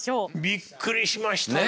びっくりしましたね。